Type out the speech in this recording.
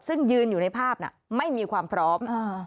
ซึ่งยืนอยู่ในภาพน่ะไม่มีความพร้อม